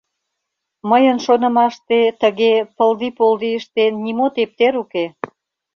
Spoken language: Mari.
Мыйын шонымаште, тыге пылди-полди ыштен, нимо тептер уке.